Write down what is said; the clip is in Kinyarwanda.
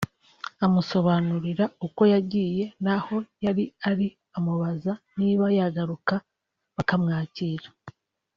amusobanurira uko yagiye n’aho yari ari amubaza niba yagaruka bakamwakira